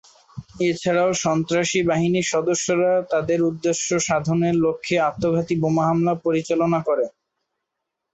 এছাড়াও, সন্ত্রাসী বাহিনীর সদস্যরা তাদের উদ্দেশ্য সাধনের লক্ষ্যে আত্মঘাতী বোমা হামলা পরিচালনা করে।